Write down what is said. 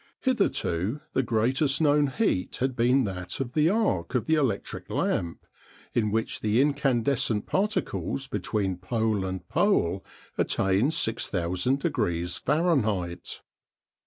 Hitherto the greatest known heat had been that of the arc of the electric lamp, in which the incandescent particles between pole and pole attain 6000 degrees Fahrenheit.